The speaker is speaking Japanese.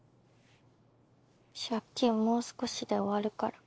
借金もう少しで終わるから。